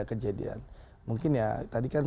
kejadian mungkin ya tadi kan